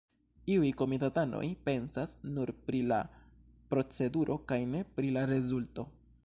Iuj komitatanoj pensas nur pri la proceduro kaj ne pri la rezulto.